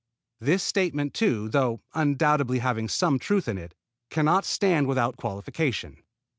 _ This statement, too, though undoubtedly having some truth in it, can not stand without qualification.